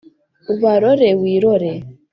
ubarore wirore.